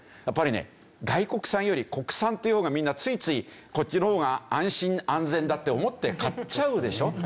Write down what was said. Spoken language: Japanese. やっぱりね外国産より国産っていう方がみんなついついこっちの方が安心安全だって思って買っちゃうでしょ？